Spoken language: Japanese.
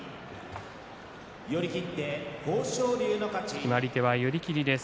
決まり手は寄り切りです。